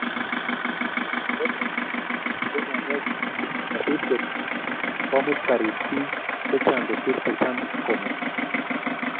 nebo tai konyayagis nyasusiet komuut karit biik chechang kosiir checham kemuti